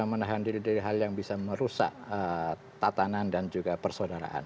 menahan diri dari hal yang bisa merusak tatanan dan juga persaudaraan